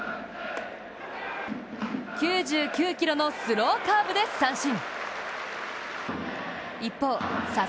９９キロのスローカーブで三振。